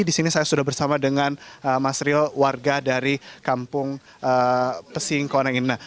di sini saya sudah bersama dengan mas rio warga dari kampung pesing koneng ini